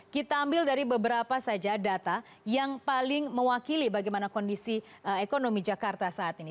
kita ambil dari beberapa saja data yang paling mewakili bagaimana kondisi ekonomi jakarta saat ini